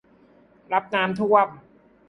รับน้ำท่วม